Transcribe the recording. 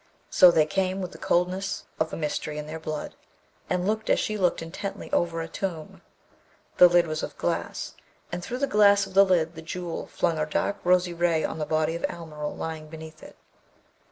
So they came with the coldness of a mystery in their blood, and looked as she looked intently over a tomb. The lid was of glass, and through the glass of the lid the Jewel flung a dark rosy ray on the body of Almeryl lying beneath it.